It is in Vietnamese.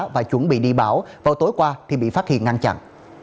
và chuẩn bị đi bão vào tối qua thì bị phát hiện ngăn chặn